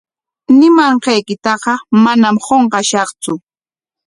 Ñimanqaykitaqa manam qunqashaqtsu.